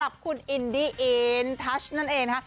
ขอบคุณอินดีอินทัชั่นั้นเอง